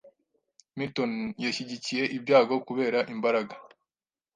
Milton yashyigikiye ibyago kubera "imbaraga